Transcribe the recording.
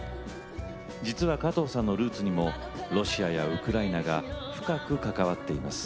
実は加藤さんのルーツにもロシアやウクライナが深く関わっています。